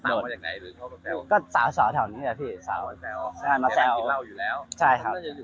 แล้วแสวของเขาเลยยังอยู่หรือแบบนี้